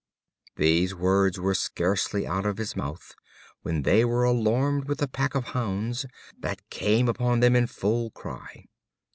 These words were scarcely out of his mouth, when they were alarmed with a pack of hounds, that came upon them in full cry.